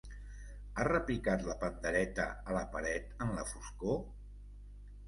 Ha repicat la pandereta a la paret en la foscor?